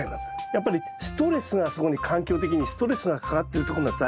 やっぱりストレスがそこに環境的にストレスがかかってるってことなんです